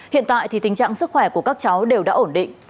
hiện tại thì tình trạng sức khỏe của các cháu đều đã ổn định